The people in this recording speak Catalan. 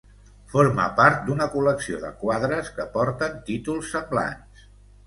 Forma part d'una col·lecció de quadres que porten títols semblants.